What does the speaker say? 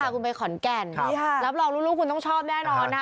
คุณไปขอนแก่นรับรองลูกคุณต้องชอบแน่นอนนะ